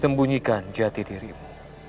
sembunyikan jati dirimu